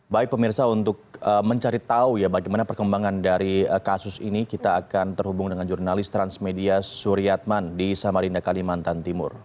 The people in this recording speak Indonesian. baik pemirsa untuk mencari tahu ya bagaimana perkembangan dari kasus ini kita akan terhubung dengan jurnalis transmedia suryatman di samarinda kalimantan timur